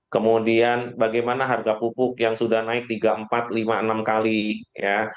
kemudian bagaimana harga pupuk yang sudah naik tiga empat lima enam kali ya